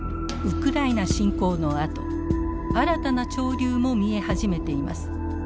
ウクライナ侵攻のあと新たな潮流も見え始めています。